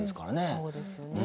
そうですよね。